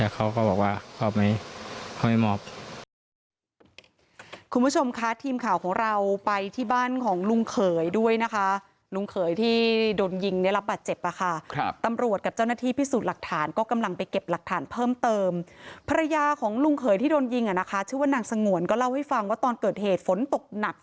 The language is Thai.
เขาก็บอกว่าไม่เป็นไรแล้วแต่เขาก็บอกว่าเขาไม่มอบ